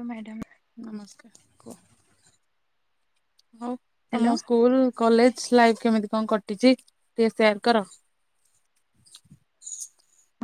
ହ ମ୍ୟାଡ଼ାମ। ନମସ୍କାର ହଉ ହ୍ୟାଲୋ ତମ ସ୍କୁଲ କଲେଜ ଲାଇଫ୍। କେମିତି କଁ କଟିଚି ଟିକେ ସେୟାର କର।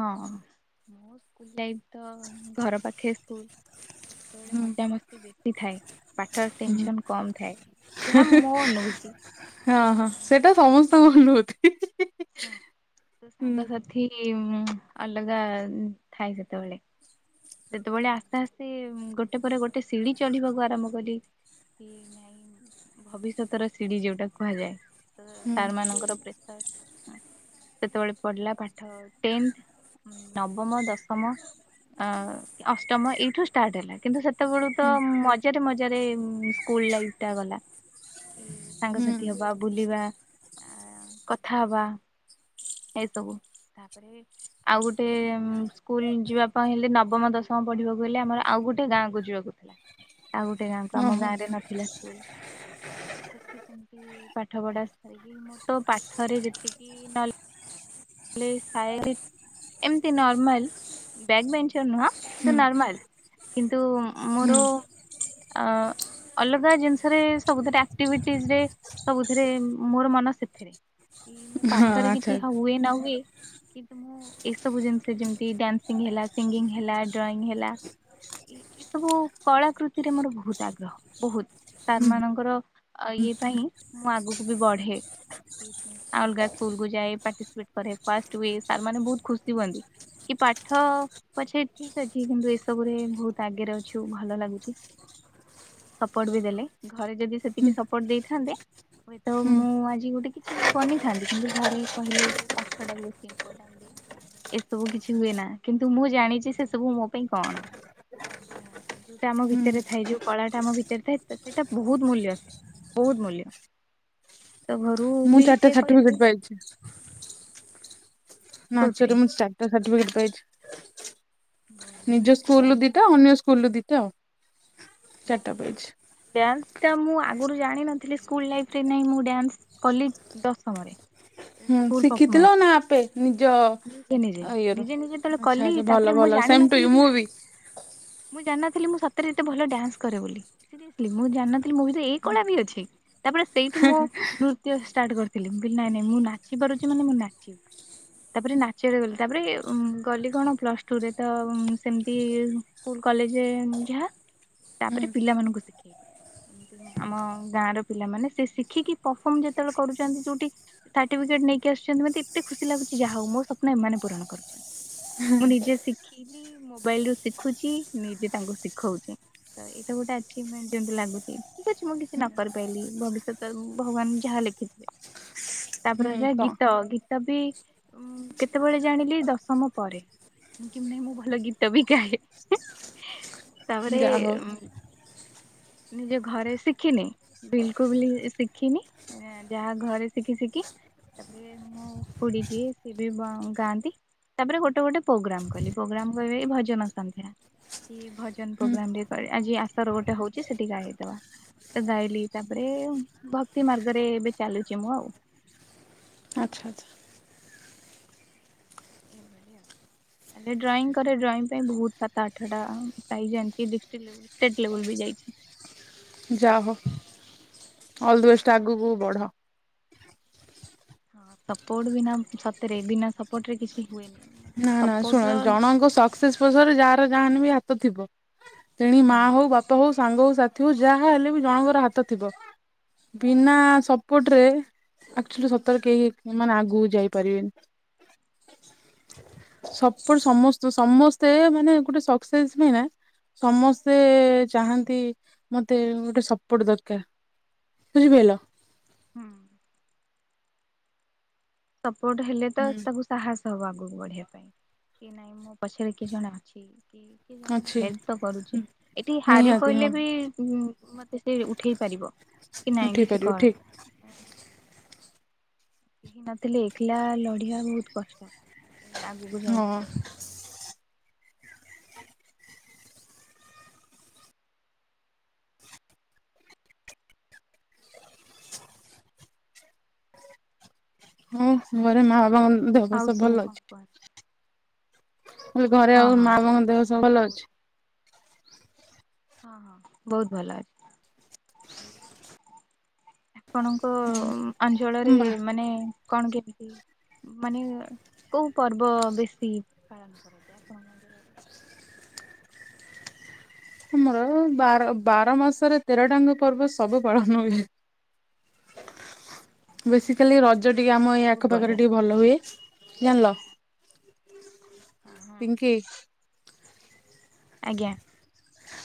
ହଁ ସେଇତ ଘର ପାଖେ ସ୍କୁଲ। ସେତବେଳେ ହୁଁ ମଜା ମସ୍ତି ବେଶୀ ଥାଏ। ପାଠର ଟେନସନ୍ କମ୍ ଥାଏ। ଯାହା ମୋ ଅନୁଭୂତି। ଉଁ ହୁଁ ହୁଁ [unintelligible] ହଁ ତ ସାଙ୍ଗସାଥି ଏ ମୁଁ ଅଲଗା ଥାଏ ସେତବେଳେ। ଯେତବେଳେ ଆସ୍ତେ ଆସ୍ତେ ଗୋଟେ ପରେ ଗୋଟେ ସିଡ଼ି ଚଢିବାକୁ ଆରମ୍ଭ କଲି ନାଇଁ ଭବିଷ୍ୟତର ସିଡ଼ି ଯୋଉଟା କୁହାଯାଏ। ହୁଁ ସାର୍ ମାନଙ୍କର ପ୍ରେସର ସେତବେଳେ ପଢିଲା ପାଠ ଟେନ୍, ନବମ, ଦଶମ ଅ ଅଷ୍ଟମ ଏଇଠୁ ଷ୍ଟାର୍ଟ ହେଲା କିନ୍ତୁ ସେ ସେତବେଳୁ ତ ହୁଁ ମଜାରେ ମଜାରେ ଉଁ ସ୍କୁଲ ଲାଇଫ ଟା ଗଲା। କି ହୁଁ ସାଙ୍ଗସାଥି ହବା ବୁଲିବା ଆ କଥା ହବା। ଏସବୁ ତାପରେ ଆଉ ଗୋଟେ ଅମ୍ ସ୍କୁଲ ଯିବା ପାଇଁ ହେଲେ ନବମ, ଦଶମ ପଢିବାକୁ ହେଲେ ଆମର ଆଉ ଗୋଟେ ଗାଁକୁ ଯିବାକୁ ଥିଲା। ଆଉ ଗୋଟେ ଗାଁକୁ ଆମ ଓହୋ ଗାଁରେ ନଥିଲା ସ୍କୁଲ ତ ସେଠି ସେମତି ପାଠ ପଢା ସାରିକି ମୁଁ ତ ପାଠରେ ଯେତିକି ନଲ ଲେଜ୍ ଥାଏ ଏମତି ନର୍ମାଲ ବ୍ୟାକ୍ ବେଞ୍ଚର ନୁହଁ। ତ ନର୍ମାଲ। ହୁଁ। ଆ ଅଲଗା ଜିନିଷ ରେ ସବୁ ଥିରେ ଆକ୍ଟିଭିଟିଜ୍ ରେ ସବୁ ଥିରେ ମୋର ମନ ସେଥିରେ। କି ମୁଁ ହଁ ପାଠରେ ଆଚ୍ଛା। କିଛି ହୁଏ ନ ହୁଏ କିନ୍ତୁ ମୁଁ ଏସବୁ ଜିନିଷ ଯେମିତି ଡାନସିଂ ହେଲା ସିଙ୍ଗିଙ୍ଗ ହେଲା ଡ୍ରଇଂ ହେଲା ଏ ଏ ସବୁ କଳାକୃତିରେ ମୋର ବହୁତ ଆଗ୍ରହ ବହୁତ। ସାର୍ ମାନଙ୍କର ଇଏ ପାଇଁ ମୁଁ ଆଗକୁ ବି ବଢେ। ଆ ଅଲଗା ସ୍କୁଲ କୁ ଯାଏ ପାଟିସପେଟ୍ କରେ ଫାଷ୍ଟ ହୁଏ ସାର୍ ମାନେ ବହୁତ ଖୁସି ହୁଅନ୍ତି। କି ପାଠ ପଛେ ଠିକ ଅଛି କିନ୍ତୁ ଏସବୁ ରେ ବହୁତ ଆଗେରେ ଅଛୁ ଭଲ ଲାଗୁଚି। [inaudible] ସପୋର୍ଟ ବି ଦେଲେ ଘରେ ଯଦି ସେତିକି ସପୋର୍ଟ ଦେଇଥାନ୍ତେ ହୁଏତ ମୁଁ ଆଜି ଗୋଟେ କିଛି ବନିଥାନ୍ତି। କିନ୍ତୁ ଘରେ କହିଲେ ପାଠ ଟା ବେଶି ଇମ୍ପୋର୍ଟାଣ୍ଟେ। ଏସବୁ କିଛି ହୁଏ ନା। କିନ୍ତୁ ମୁଁ ଜାଣିଚି ସେ ସବୁ ମୋ ପାଇଁ କଣ? ଯୋଉଟା ଆମ ଭିତରେ ଥାଏ ଯୋଉ କଳାଟା ଆମ ଭିତରେ ଥାଏ ସେଇଟା ବହୁତ ମୂଲ୍ୟ। ବହୁତ ମୂଲ୍ୟ। ହଁ ତ ଘରୁ ମୁଁ ବି ସେ ଚାରଟା କହିଲେ ସାର୍ଟିଫିକେଟ ପାଇଛି। କୋଉଥିରେ ନାଚରେ ମୁଁ ଚାରଟା ସାର୍ଟିଫିକେଟ ପାଇଚି। ବହୁତ ବଢିଆ ନିଜ ସ୍କୁଲ ରୁ ଡ୍ୟାନ୍ସ ଦିଟା ଅନ୍ୟ ସ୍କୁଲ ରୁ ଦିଟା ଆଉ। ଚାରିଟା ପାଇଛି। ଡ୍ୟାନ୍ସ। ତା ମୁଁ ଆଗରୁ ଜାଣିିନଥିଲି ସ୍କୁଲ ଲାଇଫ୍ ରେ ନାହିଁ ମୁଁ ଡ୍ୟାନ୍ସ କଲି ଦଶମରେ। ହୁଁ ସ୍କୁଲ ଶିଖିଥିଲ ପରଫମାନ୍ସ ନା ଆପେ ନିଜ ନିଜେ ନିଜେ ଅଁ ଇଏ ର ନିଜେ ନିଜେ ଯେତେବେଳେ ଆଚ୍ଛା କଲି ଆଚ୍ଛା ତାପରେ ଭଲ। ମୁଁ ଭଲ ସେମ୍ ଟୁ ଜାଣିନଥିଲି ୟୁ ମୁଁ ବି। ମୁଁ ଜାନ ନଥ୍ ହେଲେ ମୁଁ ସତରେ ଏତେ ଭଲ ଡନ୍ସ କରେ ବୋଲି ସିରିଏସଲି ମୁଁ ଜାଣିନଥିଲି ମୋ ଭିତରେ ଏଇ କଳା ବି ଅଛି? ତାପରେ ସେଇଠୁ ମୁଁ ନୃତ୍ୟ ଷ୍ଟାର୍ଟ କରିଥିଲି ମୁଁ କଇଲି ନାଇଁ ନାଇଁ ମୁଁ ନାଚି ପାରୁଛି ମାନେ ମୁଁ ନାଚିବି। ତାପରେ ନାଚରେ ଗଲି ତାପରେ ଗଲି କଣ ପ୍ଲସ ଟୁରେ ତ ଉ ସେମିତି ଇ ଉ ସ୍କୁଲ। କଲେଜ ଉ ଯାହା ହଁ ତାପରେ ପିଲାମାନଙ୍କୁ ଶିଖେଇଲି। ଏମିତି ଆମ ଗାଁ ର ପିଲାମାନେ ସେ ଶିଖିକି ପର୍ଫମ୍ ଯେତେବେଳେ କରୁଛନ୍ତି ଯୋଉଠି ଟାଟେଜେ। ନେଇକି ଆସୁଛନ୍ତି ମତେ ଏତେ ଖୁସି ଲାଗୁଛି ଯାହା ହଉ ମୋ ସ୍ୱପ୍ନ ଏମାନେ ପୂରଣ କରୁଛନ୍ତି। ମୁଁ ନିଜେ ଶିଖିଲି ମୋବାଇଲ ରୁ ଶିଖୁଛି ନିଜେ ତାଙ୍କୁ ଶିଖଉଛି। ତ ଏଇଟା ଗୋଟେ ଆଚିଭମେଣ୍ଟ ଯେମିତି ଲାଗୁଛି ଠିକ ଅଛି ମୁଁ କିଛି ନ କରି ପାରିଲି ଭବିଷ୍ୟତ ଉ ଭଗବାନ ଯାହାହେଲେ। ଲେଖିଥିବେ। ହୁଁ ତାପରେ ହେଲା ତ ଗୀତ ଗୀତ ବି କେତେବେଳେ ଜାଣିଲି ଦଶମ ପରେ। ମୁଁ କେମିତି ମୁଁ ଭଲ ଗୀତ ବି ଗାଏ ତାପରେ। ଯାହା ହଉ। ନିଜ ଘରେ ଶିଖିନି ବିଲକୁଲ ଶିଖିନି ଯାହା ଘରେ ଶିଖି ଶିଖି। ତାପରେ ମୁଁ ଖୁଡୀ ଯିଏ ସିଏ ବି ଗାଆନ୍ତି। ତାପରେ ଗୋଟେ ଗୋଟେ ପ୍ରୋଗ୍ରାମ କଲି ପ୍ରୋଗ୍ରାମ କଇଲେ ଭଜନ ସାନ୍ଧ୍ୟଥିଲା। ଇ ଭଜନ ପ୍ରୋଗ୍ରାମ ରେ ତ ଆଜି ଆସ ର ଗୋଟେ ହଉଛି ସେଠି ଗାଇଦବା। ଗାଇଲି ତାପରେ ଭକ୍ତି ମାର୍ଗରେ ଏବେ ଚାଲୁଛି ମୁଁ ଆଉ। ଆଚ୍ଛା ଆଚ୍ଛା। ଏ ଭଳିଆଉ। ହେଲେ ଡଂ କରେ ଡ୍ରଂ ପାଇଁ ବହୁତ ସାତ ଆଠଟା ପ୍ରାଇଜି ଆଞ୍ଚି ଡିଷ୍ଟି ଲେବୁଲ୍ ଷ୍ଟେଟ୍ ଲେବୁଲ ବି ଯାଇଛି। ଯାହ ହେଉ ଅଲ ଦି ବଷ୍ଟ ଆଗକୁ ବି ବଢ। ହଁ ସପୋର୍ଟ ବିନା ସତରେ ବିନା ସପୋର୍ଟ ରେ କିଛି ହୁଏନି। ମତେ ନା ନା ଶୁଣ ସପୋର୍ଟର ଜଣଙ୍କ ସକ୍ସେସ ପଛରେ ଯାହାର ଯାହେନେ ବି ହାତ ଥିବ। ତେଣି ହଁ ମାଆ ହଉ ବାପା ହଉ ସାଙ୍ଗ ହଉ ସାଥିୀ ହଉ ଯାହା ହେଲେ ବି ଜଣଙ୍କର ହାତ ଥିବ। ବିନା ସପୋଟରେ ଆଚୁଆଲି ସତରେ କେହି ଉ ମାନେ ଆଗକୁ ଯାଇପାରିବେନି ସପଟ ସମସ୍ତ ସମସ୍ତେ ମାନେ ଗୋଟେ ସକ୍ସେସ ପାଇଁ ନା ସମସ୍ତେ ଚାହାନ୍ତି ମତେ ଗୋଟେ ସପୋର୍ଟ ଦରକାର। ବୁଝି ପାରିଲ ହୁଁ ପୁଅ ଟେ ହେଲେ ତ ହୁଁ ତାକୁ ସାହସ ହବ ଆଗକୁ ବଢିବା ପାଇଁ କି ନାଇଁ ମୋ ପଛରେ କିଏ ଜଣେ ଅଛି। କିଏ ଜଣ ମତେ ଅଛି ହେଲ୍ପ ତ କରୁଛି ଏଠି ହାରି ନିହାତି ହଁ ପଇଲେ ବି ମତେ ସେ ଉଠେଇ ପା ରିବ ଉଠେଇପାରିବୁ ଠିକ କେହି ନଥିଲେ ଏକଲା ଲଢିବା ବହୁତ କଷ୍ଟ ଆଗକୁ ହଁ। ଯାଇକି ହୁ ଘରେ ମା ବାବାଙ୍କ ଦେହ ପା ଆଉ ସବୁ ଭଲ କଣ ଅଛି। କୁହ କ ଘରେ ହଁ ଆଉ ହଁ ମା ବାଙ୍କ ଦେହ ସବୁ ସେମାନେ ଭଲ ବହୁତ ଅଛି ହଁ ହଁ ବହୁତ ଭଲ ଅଛି। ଆପଣଙ୍କ ଅଞ୍ଚଳରେ ତମ ବା ମାନେ କଣ କେମିତି? ମାନେ କୋଉ ପର୍ବ ବେଶୀ ପାଳନ କରାଯାଏ [unintelligible] [inaudible] ଆମର ବାର ବାର ମାସରେ ତେରଟାଙ୍ଗ ପର୍ବ ସବୁ ପାଳନ ହୁଏ ବେସିକାଲି ରଜ ଟିକେ ଆମ ଏଇ ବହୁତ ଆଖ ପାାଖରେ ବଢିଆ ଟିକେ ଭଲ ହୁଏ। ଜାଣିଲ ପିଙ୍କି ଆଜ୍ଞା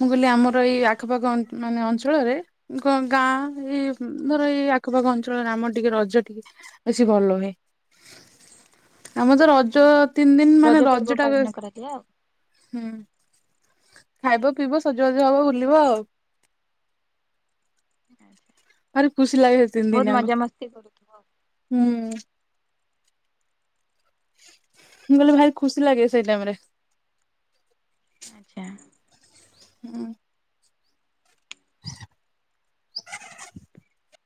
ମୁଁ କହିଲି ଆମର ଏଇ ଆଖପାଖ ମାନେ ଅ ଅଞ୍ଚଳରେ ଗାଁ ଏଇ ମୋର ଏଇ ଆଖପାଖ ଅଞ୍ଚ ଳରେ ଆମ ଟିକେ ରଜ ଟିକେ ବେଶୀ ଭଲ ହୁଏ। ଆମର ତ ରଜ ତିନି ଦିନ ମାନେ ପର୍ବ ରଜ ଟା, ହୁଁ। ପାଳନ କରାଯାଏ ଆଉ ଖାଇବ ପିଇବ ସଜବାଜ ହବ ବୁଲିବ ଆଉ। ଆଛା, ଭାରି ଖୁସି ଲାଗେ ସେ ତିନି ଦିନ ବହୁତ ଯାକ ମଜା ମସ୍ତି କରୁୁଥିବ ଆଉ। ହୁଁ। ମୁଁ ମାନେ ଭାରି ଖୁସି ଲାଗେ ସେଇ ଟାଇମରେ। ଆଚ୍ଛା। ହୁଁ। [inaudible]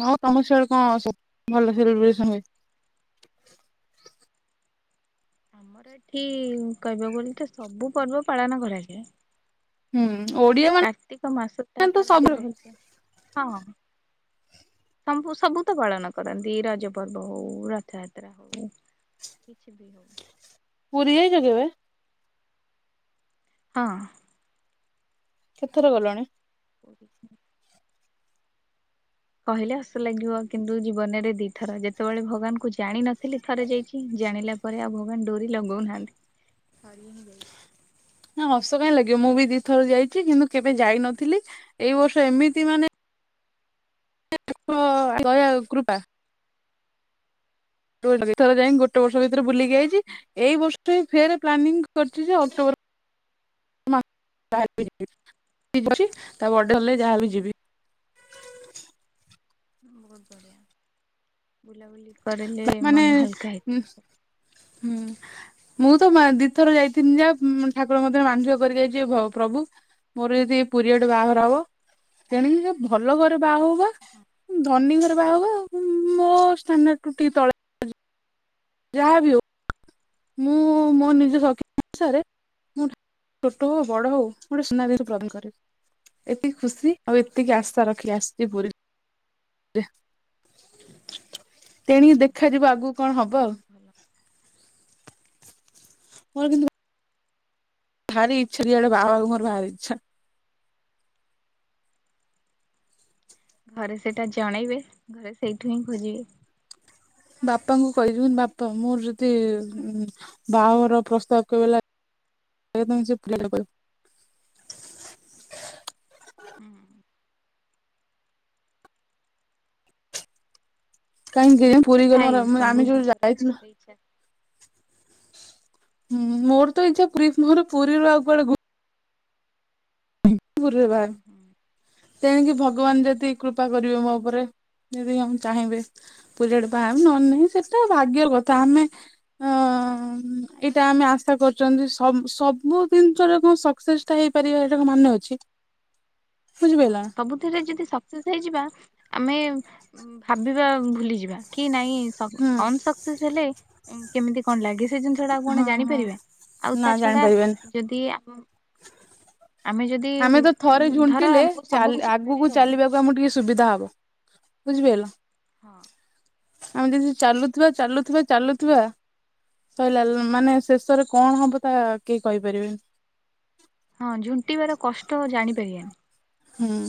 ହଁ ତମ ସିଆଡ କଣ ସବୁ ଭଲ ସେଲିବ୍ରେସନ ହୁଏ? ଆମର ଏଠି କହିବ ବୋଲିଲେ ତ ସବୁ ପର୍ବ ପାଳନ କରାଯାଏ ଆ ହୁଁ ଓଡିଆ କାର୍ତ୍ତିକ ମାସଟା ମାନେ ତ ସାରା ବି ସବୁ ମି-ହଁ, ହଁ। ସବୁ ସବୁ ତ ପାଳନ କରନ୍ତି ରଜ ପର୍ବ ହଉ, ରଥଯାତ୍ରା ହଉ, କିଛି ବି ହଉ। ପୁରୀ ଯାଇଛ କେବେ? ହଁ। କେଥର ଗଲଣି? ପୁରୀ କି କହିଲେ ହସୁ ଲାଗିବ, କିନ୍ତୁ ଜୀବନରେ ଦି ଥର ଯେତେବେଳେ ଭଗବାନ କୁ ଜାଣିିନଥିଲି ଥରେ ଯାଇଛି ଜାଣିଲା ପରେ ଆଉ ଭଗବାନ ଡୋରି ଲଗଉନାହାନ୍ତି ଥରି ହିଁ ଯାଇଛି। ନା ହସ କାହିଁ ଲାଗିବ! ମୁଁ ବି ଦି ଥର ଯାଇଛି, କିନ୍ତୁ କେବେ ଯାଇନଥିଲି, ଏଇ ବର୍ଷ ଏମିତି ମାନେ କୃପା [unintelligible] ଥରେ ଯାଇକି ଗୋଟେ ବର୍ଷ ଭିତରେ ବୁଲିକି ଯାଇଛି ଏଇ ବର୍ଷ ଫେର୍ ପ୍ଲାନିଂ କରିଛି, ଯେ ଅକ୍ଟୋବର ତା [unintelligible] ବଡ ହେଲେ ଯାହା ବି ଯିବି। ବହୁତ ବଢ଼ିଆ ବୁଲାବୁଲି କରଲେ ମାନେ ମନ ହାଲକା ହୁଁ ହେଇଯିବ। ହୁଁ। ମୁଁ ତ ଦି ଥର ଯାଇଥିନି ଯା ଠାକୁର ମଧ୍ୟରେ ମାଧଆ କରି ଯାଇଛି, ପ୍ରଭୁ ମୋର ଯଦି ପିରିୟଡ ବାହାର ହବ ତେଣିକି ଯ ଭଲ ଘରେ ବାହା ବା ଧନୀ ଘରେ ବାହା ବା ମୋ ଷ୍ଟାଣ୍ଡାର୍ଡ ଟିକେ ତଳେ ଯାହା ବି ହଉ ମୁଁ ମୋ ନିଜ ଶକ୍ତି ଅନସାରେ, ମୁଁ ଛୋଟ ହଉ ବଡ ହଉ ଗୋଟେ ସୁନା ଦେଇ ପ୍ରନ୍ଦ କରିବି ଏତିକି ଖୁସି ଆଉ ଏତିକି ଆଶା ରଖି ଆସିଛି ପୁରୀ [inaudible] ହୁଁ ତେଣିକି ହୁଁ ଦେଖାଯିବ ଆଗକୁ କଣ ହବ ଆଉ। ବହୁତ ଭଲ ପରେ କିନ୍ତୁ ଭାର ଇଚ୍ଛା ରିଆଡେ ବାବା ଉମର ଭାର ଇଚ୍ଛା। ଘରେ ସେଇଟା ଜଣେଇବେ, ଘରେ ସେଇଠୁ ହିଁ ଖୋଜିବେ? ବାପାଙ୍କୁ କହିବି, ବାପା ମୋର ଯଦି ବାହାଘର ପ୍ରସ୍ତାବ ଗଲା ସେମ ସେ ପିଲ [unintelligible] ହୁଁ ହୁଁ। କାହିଁକି ଇଚ୍ଛା ପୁରୀ ଗଲୁ, ଥାଏ ସବୁ ଆମେ କେବେ ଝିଅଙ୍କର ଗୋଟେ ଯାଇଥିଲୁ ଗୋଟେ ଇଚ୍ଛା ହୁଁ ମୋର ତ ଇଛା ପୁରୀ ମୁହର ପୁରୀରୁ ଆଗୁଆଡେ [unintelligible] ପୁରୀ ରେ ବାହା ହେବି, ହୁଁ ତେଣିକି ଭଗବାନ ଯଦି କୃପା କରିବେ ମୋ ଉପରେ ଯଦି ଆମେ ଚାହିଁବେ, ପୁରୀ ଆଡେ ବାହା ହେମି ନହଲେ ନାହିଁ, ସେଟା ଭାଗ୍ୟ କଥା, ଆମେ ଅ ହଁ ଇଟା ଆମେ ଆଶା କରୁଛନ୍ତି, ସ -ସବୁ ଜିନିଷରେ ସସେକସେ ହେଇପାରିବା, ଏଟା କଣ ମାନେ ଅଛି। ହଁ ବୁଝିପାରିଲ ସବୁଥିରେ, ଯଦି ସକ୍ସେସ୍ ହେଇଯିବା ଆମେ ଭାବିବା ଭୁଲିଯିବା, କି ନାଇଁ ନା ହୁଁ ଅନସକ୍ସେସ୍ ହେଲେ, କେମିତି କଣ ଲାଗେ ସେ ଜିନିଷଟା ଆଉ କଣ ହଁ ହଁ ଜାଣିପାରିବା, ଆଉ ନା ତା ଛଡା ଜାଣିପାରିବାନି ଯଦି ଆ ଆମେ ଯଦି ଆମେ ତ ଥରେ ଧର ଝୁଣ୍ଟିଲେ ଆମକୁ ସବୁ କିଛି ଆଗକୁ ମିଳିଗଲା। ବୁଝି ପାଇଲ? ହଁ। ଆମେ ଯଦି ଚାଲୁଥିବା ଚାଲୁଥିବା ଚାଲୁଥିବା। ସରିଲା ମାନେ ଶେଷରେ କଣ ହବ, ତା କେହି କହିପାରିବେନି? ହଁ ଝୁଣ୍ଟିବାର, କଷ୍ଟ ଜାଣିପାରିବାନି। ହୁଁ।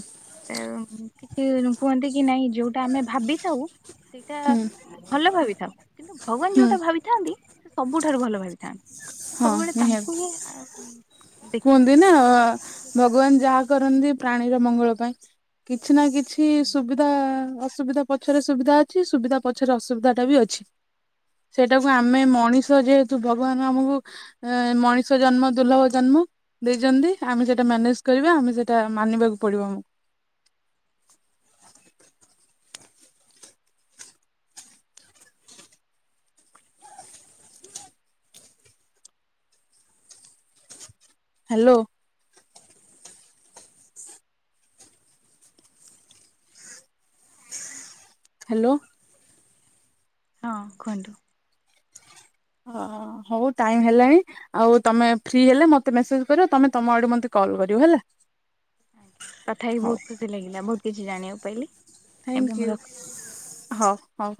କିଛି କୁହନ୍ତି କି ନାଇଁ ଯୋଉଟା ଆମେ ଭାବିଥାଉ ସେଇଟା ହୁଁ ଭଲ ଭାବିଥାଉ, କିନ୍ତୁ ଭଗବାନ ହୁଁ ଯୋଉଟା ଭାବିଥାନ୍ତି। ସବୁଠାରୁ ଭଲ ଭାବିଥାନ୍ତି। ହଁ ସବୁବେଳେ ନିହାତି ତାଙ୍କୁ ହିଁ ଦେଖିବାକୁ କୁହନ୍ତି ନା ପଡିବ ନାହିଁ ସବୁ ତାଙ୍କ [inaudible] ଭଗବାନ ଯାହା କରନ୍ତି ପ୍ରାଣୀର ମଙ୍ଗଳ, ପାଇଁ କିଛି ନା କିଛି ହଁ ସୁବିଧା ସୁୁବିଧା ପଛରେ ସୁବିଧା ଅଛି। ସୁବିଧା ପଛରେ ଅସୁବିଧାଟା ବି ଅଛି। ସେଇଟାକୁ ହଁ ଆମେ ମଣିଷ, ଯେହେତୁ ଭଗବାନ ଆମକୁ ମଣିଷ ଜନ୍ମ ଦୁର୍ଲଭ ଜନ୍ମ ଦେଇଛନ୍ତି। ଆମେ ସେଟା ମ୍ୟାନେଜ କରିବା ଆମେ ସେଟା ମାନିବା କୁ ପଡିବ ଆମକୁ। ହାଲୋ। ହାଲୋ। ହଁ, କୁହନ୍ତୁ। ହଁ, ହଉ ଟାଇମ ହେଲାଣି। ଆଉ ତମେ ଫ୍ରି ହେଲେ, ମତେ ମେସେଜ ତମେ, ତମ ଆଡୁ ମତେ କଲ୍ କରିବ ହେଲା। ଆଜ୍ଞା, କଥା ହେଇକି ହଉ ବହୁତ ଖୁସି ଲାଗିଲା ବହୁତ କିଛି ଜାଣିବାକୁ ପାଇଲି। ଏବେ ଥ୍ୟାଙ୍କୟୁ ମୁଁ ରଖୁଛି। ହୋଉ ହୋଉ!